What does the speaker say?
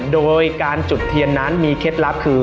โดยการจุดเทียนนั้นมีเคล็ดลับคือ